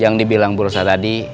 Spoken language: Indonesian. yang dibilang burosan tadi